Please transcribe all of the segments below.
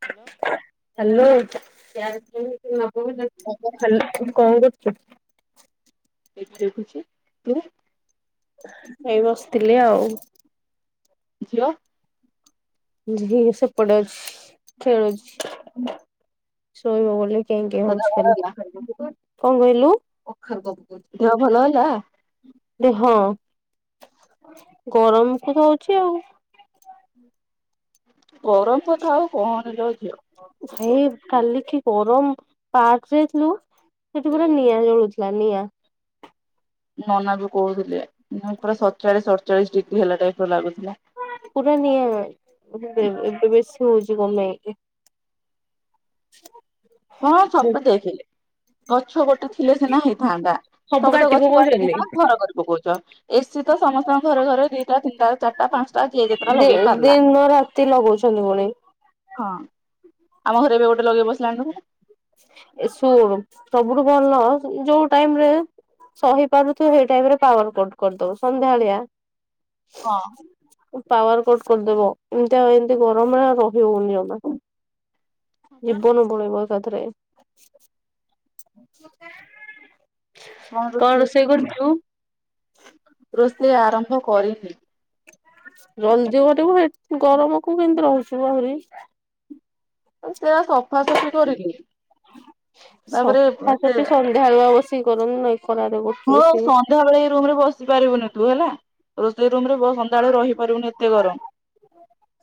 ହ hello. Hello hello କଣ କରୁଚୁ? ଟିଭି ଦେଖୁଛି ତୁ? ଏଇ ବସିଥିଲି ଆଉ ଝିଅ। ଝି ସେପଟେ ଅଛି ଖେଳୁଛି ଶୋଇବ ବୋଲି କେଁ କେଁ ତୋ ଦେହ ହଉଛି ଭଲ ଖାଲି ହେଲା କଣ କହିଲୁ? ଦେହ ଭଲ ହେଲା। ହଁ ଗରମକୁ ତ ହଉଛି ଆଉ ଗରମ କଥା ଆଉ କହନି ଲୋ ଝିଅ? ଭାଇ କାଲି କି ଗରମ ପାର୍କ ଯାଇଥିଲୁ ସେଠି ପୁରା ନିଆଁ ଜଳୁଥିଲା ନିଆଁ। ନନା ବି କହୁଥିଲେ ପୁରା ସତଚାଳିଶ ଅଠଚାଳିଶ ଡିଗ୍ରୀ ହେଲା ଟାଇପର ଲାଗୁଥିଲା। ପୁର ନିଆଁବେ ଏବେ ବେଶୀ ହଉଛି କଣପାଇଁ? କଣ ସବୁ ଦେଖିଲେ ଗଛ ଗୋଟେ ଥିଲେ ସିନା ହେଇଥାନ୍ତା। ସବୁ ତ କାଟି ଗଛ କାଟିକି ପକଉଛନ୍ତି। ଘର ପକଉଛ ଏସି ତ ସମସ୍ତଙ୍କ ଘରେ ଘରେ ଦିଟା ତିନିଟା ଚାରିଟା ପାଞ୍ଚଟା। ଯିଏ ଯେତେଟା ଲଗେଇ ପାରିଲା ଦିନ ରାତି ଲଗଉଛନ୍ତି ପୁଣି। ହଁ ଆମ ଘରେ ଏବେ ଗୋଟେ ଲଗେଇ ବସିଲାଣି। ଏ ଶୁଣୁ ସବୁଠୁ ଭଲ ଯୋଉ ଟାଇମ ରେ ସହିପାରୁନଥିବ ସେଇ ଟାଇମରେ ପାୱାର କଟ କରିଦବ ସନ୍ଧ୍ୟାବେଳିଆ ହଁ। ପାୱାର କଟ୍ କରିଦବ ଏମିତି ଆଉ ଏମତି ଗରମରେ ରହିି ହଉନି ଆଉ ଜୀବନ ପଳେଇବ ଏକାଥରେ। କଣ ରୋଷେଇ କରୁଛୁ? ରୋଷେଇ ଆରମ୍ଭ କରିନି। ଜଲଦି କରିବୁ ଗରମକୁ କେମିତି ରହୁଛୁ ଆହୁରି। ସେଆ ସଫାସଫି କରିଲି ତାପରେ କି କରନୁ ନାଇଁ ଖରାରେ କରୁ ହଁ ଆଉ ସନ୍ଧ୍ୟାବେଳେ ଏଇ ରୁମରେ ବସି ପାରିବୁନି ତୁ ହେଲା। ରୋଷେଇ ରୁମରେ ବ ସନ୍ଧ୍ୟାବେଳେ ରହିପାରିବୁନି ଏତେ ଗରମ୍।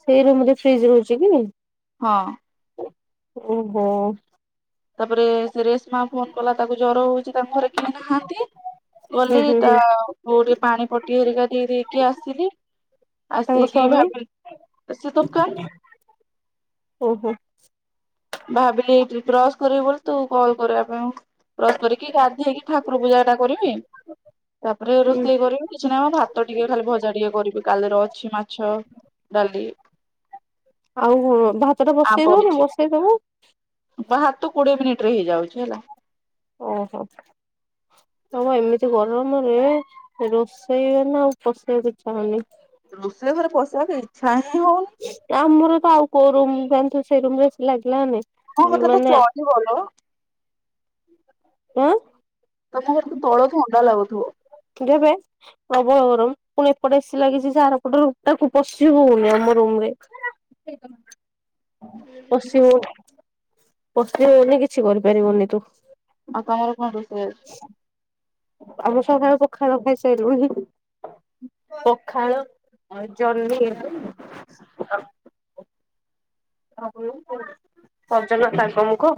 ସେଇ ରୁମରେ ଫ୍ରିଜ୍ ରହୁଚିକି ହଁ ଓହୋ। ତାପରେ ସେ ରେଶମା ଫୋନ୍ କଲା ତାକୁ ଜର ହଉଚି ତାଙ୍କ ଘରେ କେହି ନାହାନ୍ତି। ହୁଁ ଗଲି ହୁଁ ତା ହୁଁ କୋଉ ଟିକେ ପାଣି ପଟି ହେରିକା ଦେଇ ଦେଇଦେଇକି ଆସିଲି। ତାଙ୍କ ଆସିକି ସ୍ଵାମୀ ଭାବିଲି ତତ୍କାଳ ଓହୋ। ଭାବିଲି ଏଠି ବ୍ରସ୍ କରିବି ବୋଲି ତୁ କଲ୍ କରିବା ପାଇଁ ବ୍ରସ୍ କରିକି ଗାଧେଇକି ଠାକୁର ପୂଜାଟା କରିବି ତାପରେ ହୁଁ ରୋଷେଇ କରିବି କିଛି ନାହିଁମ ଭାତ ଟିକେ ଖାଲି ଭଜା ଟିକେ କରିବି। କାଲିର ଅଛି ମାଛ ଡ଼ାଲି ଆଉ ଭାତଟା ବସେଇଦଉନୁ ବସେଇଦବୁ। ଭାତ କୋଡ଼ିଏ ମିନିଟରେ ହେଇଯାଉଚି ହେଲା। ଓହୋ। ହମ ଏମିତି ଗରମରେ ରୋଷେଇ ହେନେ ଆଉ ପସିବାକୁ ଇଛା ହୋଉନି। ରୁଷରେ ଘରେ ପଶିବାକୁ ଇଛାହିଁ ହଉନି। ଆମରତ ଆଉ କୋଉ ରୁମ୍ ଯାଣିଥିବୁ ସେଇ ରୁମରେ ଏସି ଲାଗିଲାନୀ। ହଁ ସେଟାତ ଚଳିବଲ। ଉଁ। ତମ ଘରତ ତଳ ଥଣ୍ଡା ଲାଗୁଥିବ? [unintelligible] ପ୍ରବଳ ଗରମ ପୁଣି ଏପଟେ ଏସି ଲାଗିଚି ସେଆରପଟ ତାକୁ ପଶି ହଉନି ଆମ ରୁମରେ। ପଶିହୋଉନି। ପଶିହୋଉନି କିଛି କରିପାରିବୁନି ତୁ। ଆଉ ତମର କଣ ରୋଷେଇ ଆଜି? [unintelligible] ଖାଇବା ଖାଇସାରି ଲୁଣି। ପଖାଳ ଆଉ ଜହ୍ନି ସଜନା ସାଙ୍ଗ ମୁଗ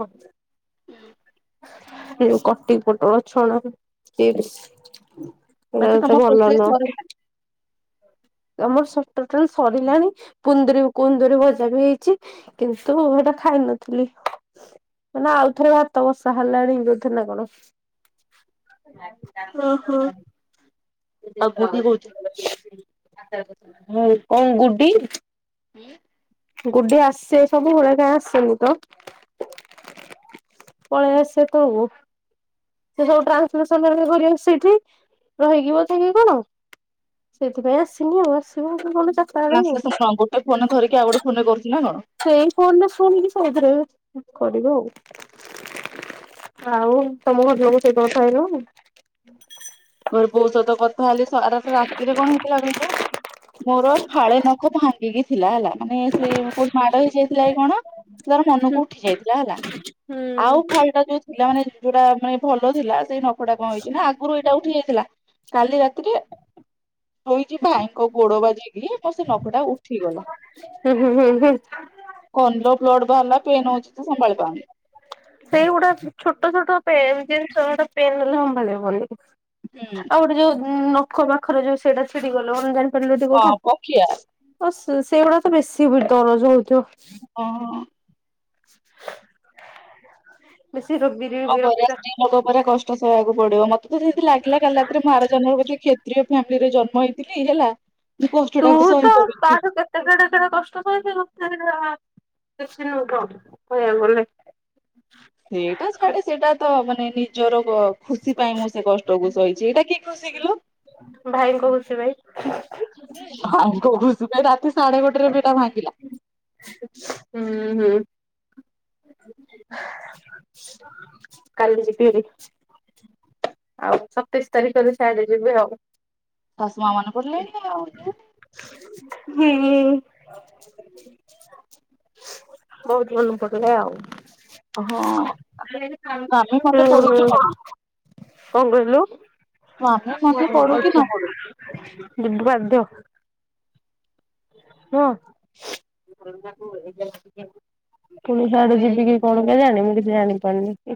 ହେଇଯୋଉ କଟି ପୋଟଳ ଛଣା ଚିଷ୍ସି। ଏରା ମାନେ ତମ ଏତେ ଭଲ ରୋଷେଇ ନୁହଁ। ସରିଲା ଆମର ସଟୋଟାଲି ସରିଲାଣି କୁନ୍ଦୁ କୁନ୍ଦୁରି ଭଜାବି ହେଇଚି କିନ୍ତୁ ହେଟା ଖାଇ ନଥିଲି। ମାନେ ଆଉଥରେ ଭାତ ବସା ହେଲାଣି ବୋଧେ ନିକଣ। ଅଁ ହଁ ଆଉ ଗୁଡି କୋଉଚେ। ମୁଁ କଣ ଗୁଡ଼ି ହୁଁ। ଗୁଡ଼ି ଆସେ ସବୁବେଳେ କାଇଁ ଆସିନିତ। ପଳେଇଆସେତ ସେ ସବୁ ଟ୍ରାନ୍ସସନ କରେ ସେଇଠି ରହିକି ବୋଧେକି କଣ। ସେଇଥିପାଇଁ ଆସିନି ଆଉ ଆସିବ ମୁଗଲେ ଚା [unintelligible] ଗୋଟେ ଫୋନ୍ ଧରିକି ଆଉ ଗୋଟେ ଫୋନରେ କରୁଚିନା କଣ। ସେଇ ଫୋନରେ ଶୁଣିକି ସବୁଥିରେ କରିବ ଆଉ। ଆଉ ତମ ଘର ଲୋକ ସହିତ କଥା ହେଲଣି। ମୁଏଇ ବୋଉ ସହିତ କଥା ହେଲି ସାରାଟା ରାତିରେ କଣ ହେଇଥିଲା କହିଲୁ। ମୋର ଫାଳେ ନଖ ଭାଙ୍ଗିକି ଥିଲା ହେଲା ମାନେ ସେ କୋଉଠି ମାଡ଼ ହେଇ ଯାଇଥିଲାକି କଣ। ତାର ମନକୁ ଉଠି ଯାଇଥିଲା ହେଲା ହୁଁ। ଆଉ ଫାଳଟା ଯୋଉ ଥିଲା ମାନେ ଯୋଉଟା ମାନେ ଭଲ ଥିଲା ସେଇ ନଖଟା କଣ ହେଇଚିନା ଆଗରୁ ଏଇଟା ଉଠି ଯାଇଥିଲା କାଲି ରାତିରେ ଶୋଇଚି ଭାଇଙ୍କ ଗୋଡ଼ ବାଜିକି ମୋର ସେନଖଟା ଉଠିଗଲା। ହୁଁ ହୁଁ ହୁଁ ହୁଁ। କନ ଲୋପ ବ୍ଲଡ଼ ବାହାରିଲା ପେନ୍ ହୋଉଚିତ ସମ୍ଭାଳି ପାରୁନି। ସେଇଗୁଡ଼ା ଛୋଟ ଛୋଟ ପେନ୍ ଜିନିଷ ଗୋଟେ ପେନ୍ ହେଲେ ସମ୍ଭାଳି ହବନି। ହୁଁ ଆଉ ଗୋଟେ ଯୋଉ ନଖ ପାଖରେ ଯୋଉ ସେଇଟା ଛିଡି ଗଲେ କଣେ ଜାଣିପାରିଲ ଟିକେ ହଁ କୋଉଟା। ପକ୍ଷିଆ ହ ସେଇଗୁଡା ତ ବେଶୀ ଦରଜ ହଉଥିବ। ହଁ ବେଶୀ ରୋଗି। କଣ କରିବା ଲୋକ ପୁରା କଷ୍ଟ ସହବାକୁ ପଡିବ ମତେ ତ ଯଦି ଲାଗିଲା କାଲି ରାତିରେ ଆର ଜନ୍ମ କୁ କ୍ଷତି। ପ୍ରିୟ ଫାମିଲିରେ ଜନ୍ମ ହେଇଥିଲି ହେଲା। ମୁଁ ତୁ କଷ୍ଟଟାକୁ ତ ତା ସହିପାରିବିନି। ଠୁ। ସେଡେ ସେଡେ କଷ୍ଟ କରି କିଛି ନୁହ କ କହିବାକୁ ଗଲେ। ସେଇଟା ଛାଡେ ସେଇଟା ତ ମାନେ ନିଜର ଖୁସି ପାଇଁ ମୁଁ ସେ କଷ୍ଟକୁ ସହିଛି ଏଇଟା କି। ଖୁସି କିଲୋ। ଭାଇ କହୁଛି ଭାଇ। ହଁ ରାତି ସାଢେ ଗୋଟେରେ ଏଟା ଭାଙ୍ଗିଲା। ହୁଁ ହୁଁ। କାଲି ଯିବି ବାରି। ଆଉ ସତେଇଶ ତାରିଖରେ ସିଆଡେ ଯିବେ ଆଉ। ତଶମା ମନେ ପଡ଼ିଲାଣି ଆଉ। ହୁଁ। ବହୁତ ମନେ ପଡିଲେ ଆଉ। ହଁ ସ୍ୱାମୀ ମନେ ହୁଁ ପଡୁ କି ହୁଁ। ନ ପଡୁ କଣ କହିଲୁ। ସ୍ୱାମୀ ମନେ ପଡୁ ଯିବା କି ନ ପଡୁ ବାଧ୍ୟ। ହଁ। ପୁଣ ସିଆଡେ ଯିବ କି କଣ କେ ଜାଣ ମୁଁ କିଛି ଜାଣିପାରୁନି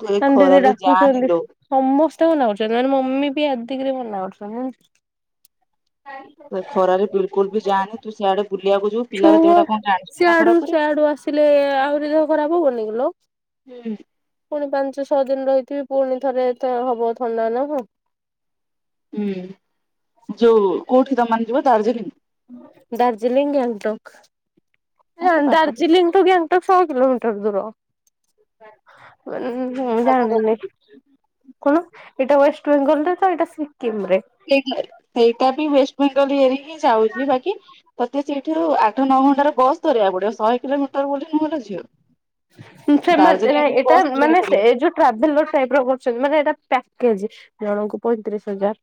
ତୁ ଏ ଦିଦି ଖରାରେ ଯାନି ଡାକୁଛନ୍ତି। ଲୋ ସମସ୍ତେ ମନା କରୁଛନ୍ତି ମମି ବି ଆଦିକ ମନା କରୁଛନ୍ତି। ଖରାରେ ବିଲକୁଲ ବି ଯାନି ତୁ ସିଆଡେ। ବୁଲିବାକୁ ଯିବୁ। ପିଲାର ଦେହଟା କଣ ଜାଣିଛୁ ନା ସେଆଡୁ ଖରାପ କରିବୁ। ସେଆଡୁ ଆସିଲେ ଆହୁରି ଦେହ ଖରାପ ହବନି କିଲୋ। ହୁଁ। ପୁଣି ପାଞ୍ଚ ଛଅ ଦିନ ରହିଥିବି ପୁଣି ଥରେ ତ ହବ ଥଣ୍ଡା ନା ହଁ। ହୁଁ ଯୋଉ କୋଉଠି ତମେ ମାନେ ଯିବ ଦାର୍ଜିଲିଂ। ଦଡାର୍ଜିଲିଂ ଏ ହଁ ଦ ସେ ପାଖାପାଖି। ଦାର୍ଜିଲିଂ। ତ କେ ତ ସ କିିଲୋମିଟର ଦୂର। ମୁଁ କହିଲି ମୁଁ ଜଣିନି। କଣ ଏଇଟା ୱେଷ୍ଟବେଙ୍ଗଲ ରେ ତ ଏଇଟା ସିକିମ୍ ରେ ସେଇଟା ବି ୱେଷ୍ଟ ବେଙ୍ଗଲ ଇଏରେ ହିଁ ଯାଉଛି ବାକି ତୋତେ ସେଇଠୁ ଆଠ ନଅ ଘଣ୍ଟାରେ ବସ୍ ଧରିବାକୁ ପଡିବ ଶହେ କିଲୋମିଟର ବୋଲି ନୁହଁ ଲୋ ଝିଅ ହୁଁ ସେମାନେ ନାଇ ଦାର୍ଜିଲିଂରୁ ଏଇଟା ବସ୍ ଧରିବାକୁ ମାନେ ପଡିବ। ସେ ଯୋଉ ଟ୍ରାଭେଲର ଟାଇପ୍ ର କରୁଛନ୍ତି ମାନେ ଏଇଟା ପ୍ୟାକେଜ୍ ଜଣଙ୍କୁ ପଇଁତିରିଶ ହଜାର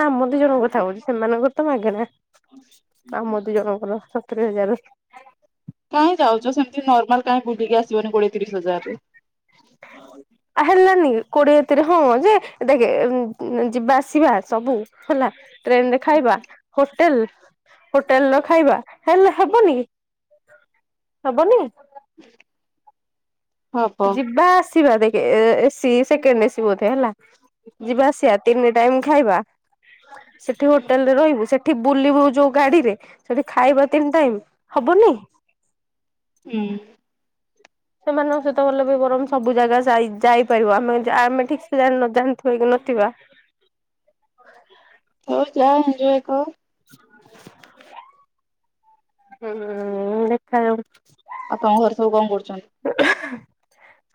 ନା ଆମ ଦି ଜଣ କଥା କହୁଉଛି ସେମାନଙ୍କର ତ ମାଗେନା ଆମ ଦୁଇ ଜଣଙ୍କ ର ସତରି ହଜାର କାଇଁ ଯାଉଛ ସେମିତି ନର୍ମାଲ କାଇହିଁ ବୁଲିକି ଆସିବନି କୋଡିଏ ତିରିଶି ହଜାରରେ [unintelligible] ଆ ହେଲାନି କୋଡିଏ ତିରିରେ ହଁ ଯେ ଦେଖେ ଯିବା ଆସିବା ସବୁ ହେଲା ଟ୍ରେନ୍ ରେ ଖାଇବା ହୋଟେଲ୍ ହୋଟେଲ୍ ର ଖାଇବା ହେଲେ ହେବନି ହବନି। [unintelligible] ହବ। ଯିବା ଆସିବା ଦେଖ ସିଏ ସେକେଣ୍ଡ୍ ଏସି ବୋଧେ ହେଲା ଯିବା ଆସିବା ତିନି ଟାଇମ୍ ଖାଇବା ସେଠି ହୋଟେଲ୍ ରେ ରହିବୁ ସେଠି ବୁଲିବୁ ଯୋଉ ଗାଡିରେ ସେଠି ଖାଇବା ତିନି ଟାଇମ୍ ହବନି। ହୁଁ। ସେମାନଙ୍କ ସହିତ ଗଲେ ବି ବରଂ ସବୁ ଜାଗା ଯାଇ ଯାଇପାରିବ ଆମେ ଆମେ ଠିକ୍ ସେ ଜାଣି କି ନଥିବା। ହଉ ଯା ଏଣ୍ଜୟ କର ହୁଁ ଦେଖାଯାଉ ଆପଣଙ୍କ ଘରେ ସବୁ କଣ କରୁଛନ୍ତି?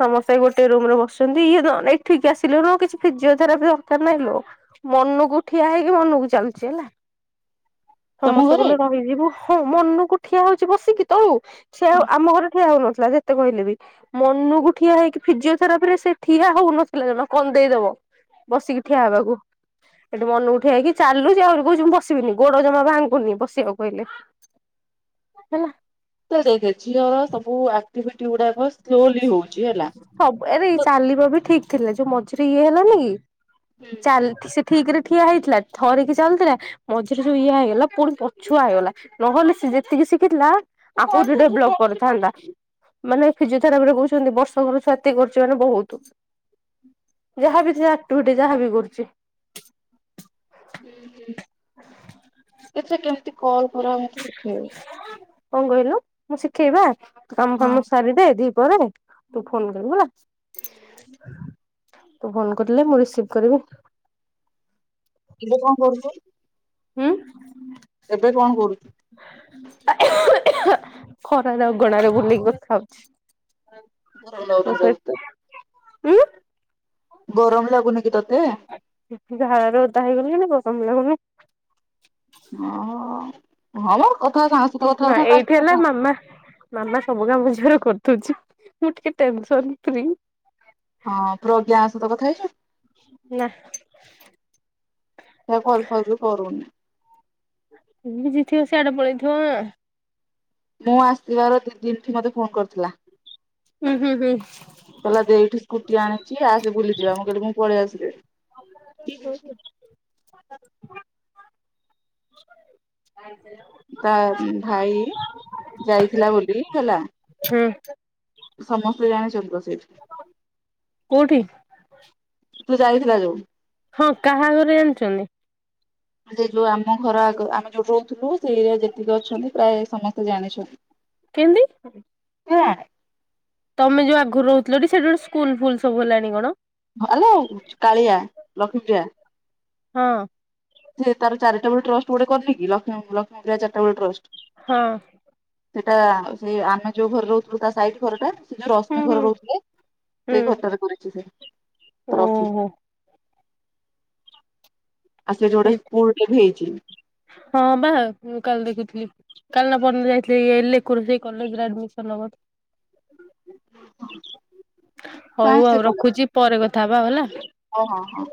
ସମସ୍ତେ ଗୋଟେ ରୁମ୍ ରେ ବସିଛନ୍ତି ଇଏ ନ ଏଠିକି ଆସିଲେ ନୁହଁ କିଛି ଫିଜିଓଥେରାପି ଦରକାର ନାହିଁ ଲୋ ମନକୁ ଠିଆ ହେଇକି ମନକୁ ଚାଲୁଚି ହେଲା। ତମ ସମସ୍ତେ ଘରେ? ଗଲେ ରହିଯିବୁ ହଁ ମନକୁ ଠିଆ ହଉଛି ବସିକି ତଳୁ ସେଆଉ ଆମ ଘରେ ଠିଆ ହଉନଥିଲା ଯେତେ କହିଲେ ବି ମନକୁ ଠିଆ ହେଇକି ଫିଜିଓଥେରାପି ରେ ସେ ଠିଆ ହଉନଥିଲା ଜମା କନ୍ଦେଇଦବ ବସିକି ଠିଆ ହେବାକୁ ଏଠି ମନକୁ ଠିଆ ହେଇକି ଚାଲୁଛି ଆହୁରି କହୁଛି ମୁଁ ବସିବିନି। ଗୋଡ ଜମା ଭାଙ୍ଗୁନି ବସିବାକୁ କହିଲେ ହଲେ ହେଲା ତ ଦେଖେ ଝିଅର ସବୁ ଆକ୍ଟିଭିଟି ଗୁଡାକ ସ୍ଲୋଲି ହଉଛି ହେଲା ସବୁ ଆରେ ଚାଲିବା ବି ଠିକ୍ ଥିଲା ଯୋଉ ମଝିରେ ଇଏ ହେଲାନି କି ଚାଲି ସେ ଠିକ୍ ରେ ଠିଆ ହେଇଥିଲା ଧରିକି ଚାଲୁଥିଲା ମଝିରେ ସୋଉଆ ଇଏ ହେଇଗଲା ପୁଣି ପଛୁଆ ହେଇଗଲା ନହେଲେ ସେ ଯେତିକି ଶିଖିଥିଲା [unintelligible] କରିଥାନ୍ତା ମାନେ ଫିଜିଓଥେରାପି ଫିଜିଓଥେରାପି ରେ କହୁଛନ୍ତି ବର୍ଷ କର ଛୁଆ ଏତିକି କରୁଛି ମାନେ ବହୁତ୍ ଯାହା ବି ଆକ୍ଟିଭିଟି ଯାହାବି କରୁଛି। ଏଥିରେ କେମିତି କଲ୍ କର ମତେ ଶିଖେଇବ। କଣ କହିଲୁ ମୁଁ ଶିଖେଇବା କାମ ଫାମ ସାରିଦେ ଦି ପରେ ତୁ ଫୋନ୍ କରିବୁ ହେଲା ତୁ ଫୋନ କରିଲେ ମୁଁ ରିସିଭ୍ କରିବି। ଏବେ କଣ କରୁଛୁ? ହୁଁ। ଏବେ କଣ କରୁଚୁ? ଖରାରେ ଅଗଣାରେ ବୁଲିକି କଥା ହଉଛି। ତୋ ସହିତ [unintelligible] ଉଁ। ଗରମ ଲାଗୁନି କି ତତେ? ଝାଳ ରେ ଓଦା ହେଇଗଲିଣି। [unintelligible] ହଁଅ ହଁମ କଥା ସାଙ୍ଗସହିତ କଥା ନା ହଉନ କା ଏଇଠି ହେଲା କଥା ହଉ। ମାମା ମାମା ସବୁ କାମ ଝିଅର କରିଦଉଛି। ମୁଁ ଟିକେ ଟେନସନ ଫ୍ରୀ। ହଁ ପ୍ରଜ୍ଞା ସହିତ କଥା ହେଇଛୁ ନା। ସେ ଆଉ କଲ ଫଲ୍ ବି କରୁନି। ବିଜିଥିବ ସିୟାଡେ ପଳେଇଥିବ ଅଁ। ମୁଁ ଆସିବାର ଦି ଦିନଠି ମୋତେ ଫୋନ କରିଥିଲା। ହୁଁ ହୁଁ ହୁଁ। କଲା ଦେଇ ଠୁ ସ୍କୁଟି ଆଣିଚି ଆସେ ବୁଲିଯିବା ମୁଁ କହିଲି ମୁଁ ପଳେଇ ଆସିଲିଣି। [inaudible] [inaudible] ତା ଅମ୍ ଭାଇ ଯାଇଥିଲା ବୋଲି ହେଲା। ହୁଁ। ସମସ୍ତେ ଜାଣିଛନ୍ତି ତ ସେଇଠି। କୋଉଠି? ସେ ଯାଇଥିଲା ଯୋଉ। ହଁ କାହାଘରେ ଜଣିଛନ୍ତି। ଯେ ଯୋଉ ଆମ ଘର ଆଗ ଆମେ ଯୋଉଠି ରହୁଥିଲୁ ସେ ଏରିଆ ଯେତିକ ଅଛନ୍ତି ପ୍ରାୟେ ସମସ୍ତେ ଜାଣିଛ କେନ୍ତି? [unintelligible] ତମେ ଯୋଉ ଆଗରୁ ରହୁଥିଲ ଟି ସେଠି ଗୋଟେ ସ୍କୁଲ୍ ଫୁଲ୍ ସବୁ ହେଲାଣି କଣ? ଭଲୋ କାଳିଆ ଲକ୍ଷ୍ମୀପ୍ରିୟା। ହଁ। ଯେ ତାର ଚାରିଟା ବଳୁ ଟ୍ରଷ୍ଟ ଗୋଟେ କରିନି କି ଲକ୍ଷ୍ମୀ ଲକ୍ଷ୍ମୀ ପ୍ରିୟା ଚାରିଟାବେଳ ଟ୍ରଷ୍ଟ। ହଁ। ସେଟା ସେଇ ଆମେ ଯୋଉ ଘରେ ରହୁଥିଲୁ ତା ସାଇଟ୍ ଘର ଟା। ସେ ଯୋଉ ହୁଁ ରଶ୍ମି ଘରେ ହୁଁ ରହୁଥିଲେ ସେଇ ହୁଁ ଘରଟାରେ କରିଚି ସେ ତ୍ରଫି। ହଁ। ଆଉ ସେଠି ଗୋଟେ ହେଇ ସ୍କୁଲ ଟେ ବି ହେଇଚି। ହଁ ବା ମୁଁ କାଲି ଦେଖୁଥିଲି। କାଲି ନା ପର୍ ଦିନ ଯାଇଥିଲେ ଏଇ ଲେକୁ ର ସେଇ କଲେଜରେ ଆଡମିସନ ନବାତ ହଉ କାହିଁ ଆଉ ରଖୁଚି ପରେ କଥା ହବା ଆଉ ହେଲା। ହଉ ହଁ ହଁ।